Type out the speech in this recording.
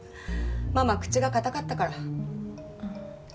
ママ口が堅かったから。